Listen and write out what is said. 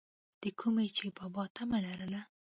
دَکومې چې بابا طمع لرله،